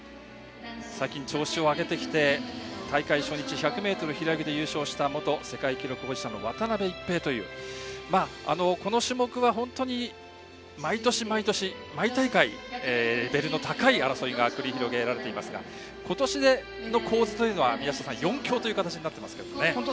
最近、調子を上げてきて大会初日、１００ｍ平泳ぎで優勝した元世界記録保持者の渡辺一平というこの種目は本当に毎年毎年毎大会、レベルの高い争いが繰り広げられていますが今年の構図というのは４強という形になっていますね。